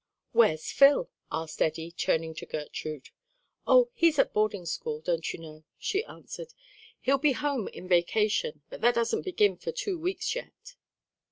"Where's Phil?" asked Eddie, turning to Gertrude. "Oh, he's at boarding school, don't you know?" she answered. "He'll be home in vacation; but that doesn't begin for two weeks yet."